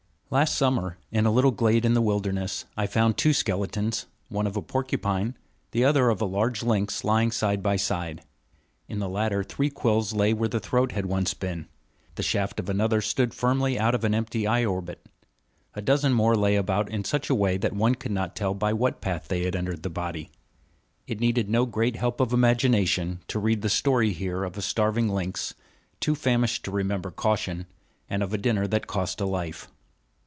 Last summer, in a little glade in the wilderness, I found two skeletons, one of a porcupine, the other of a large lynx, lying side by side. In the latter three quills lay where the throat had once been; the shaft of another stood firmly out of an empty eye orbit; a dozen more lay about in such a way that one could not tell by what path they had entered the body. It needed no great help of imagination to read the story here of a starving lynx, too famished to remember caution, and of a dinner that cost a life.